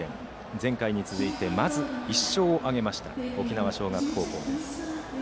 前回に続いてまず１勝を挙げました沖縄尚学高校です。